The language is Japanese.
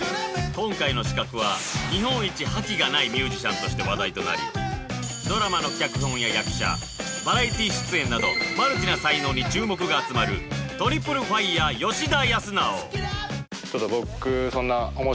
今回の刺客は日本一覇気がないミュージシャンとして話題となりドラマの脚本や役者バラエティ出演などマルチな才能に注目が集まるトリプルファイヤー吉田靖直